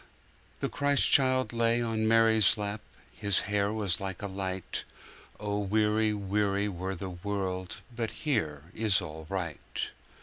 The Christ child lay on Mary's lap, His hair was like a light.(O weary, weary were the world, But here is all aright.)